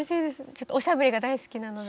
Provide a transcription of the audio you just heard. ちょっとおしゃべりが大好きなので。